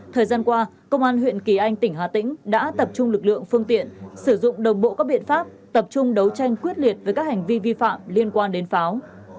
thời gian qua công an huyện kỳ anh tỉnh hà tĩnh đã tập trung lực lượng phương tiện sử dụng đồng bộ các biện pháp tập trung đấu tranh quyết liệt với các hành vi vi phạm liên quan đến pháo